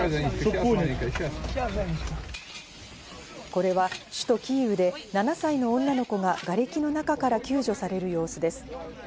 これは首都キーウで、７歳の女の子が瓦れきの中から救助される様子です。